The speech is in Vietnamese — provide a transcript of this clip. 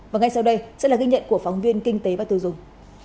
và ngay sau đây sẽ là ghi nhận của phóng viên kinh tế và tiêu dùng